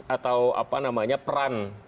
atau apa namanya peran